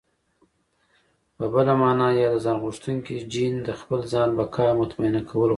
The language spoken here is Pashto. په بله مانا ياد ځانغوښتونکی جېن د خپل ځان بقا مطمينه کول غواړي.